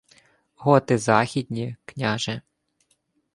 — Готи західні, княже.